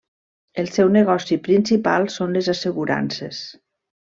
El seu negoci principal són les assegurances.